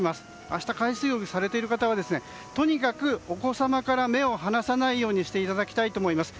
明日、海水浴をされている方はとにかくお子様から目を離さないようにしていただきたいと思います。